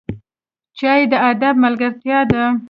چای د ادب ملګرتیا ده